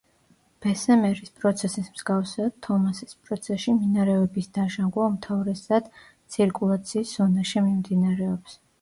ბესემერის პროცესის მსგავსად, თომასის პროცესში მინარევების დაჟანგვა უმთავრესად ცირკულაციის ზონაში მიმდინარეობს.